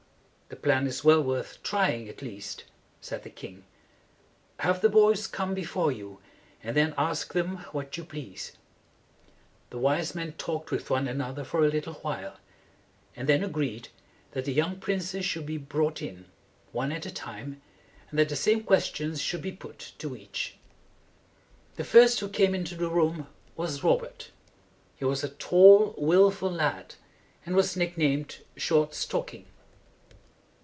"The plan is well worth trying, at least," said the king. "Have the boys come before you, and then ask them what you please." The wise men talked with one another for a little while, and then agreed that the young princes should be brought in, one at a time, and that the same ques tions should be put to each. The first who came into the room was Robert. He was a tall, willful lad, and was nick named Short Stocking.